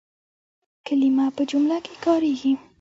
کلیمه په جمله کښي کارېږي.